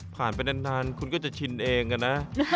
ไปนานคุณก็จะชินเองนะ